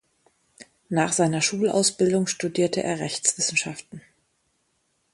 Nach seiner Schulausbildung studierte er Rechtswissenschaften.